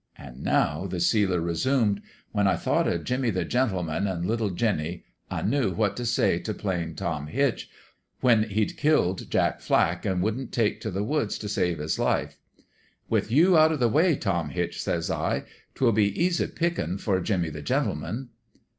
"An' now," the sealer resumed, "when I thought o' Jimmie the Gentleman an' little Jinny, I knew what t' say t' Plain Tom Hitch, when he'd 236 FAIRMEADOW*S JUSTICE killed Jack Flack an' wouldn't take t' the woods t' save his life. "* With you out o' the way, Tom Hitch/ says I, ' 'twill be easy pickin' for Jimmie the Gentle man.'